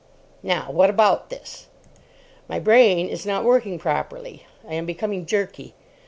Now, what about this? My brain is not working properly. I am becoming jerky.